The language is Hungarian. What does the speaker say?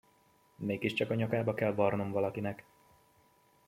Mégiscsak a nyakába kell varrnom valakinek!